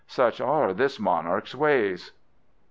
such are this monarch's ways!"